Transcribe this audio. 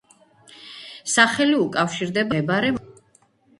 სახელი უკავშირდება იქვე მდებარე „მუშთაიდის“ ბაღს.